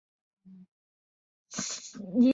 新营郡为台湾日治时期的行政区划之一。